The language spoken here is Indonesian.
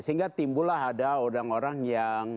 sehingga timbullah ada orang orang yang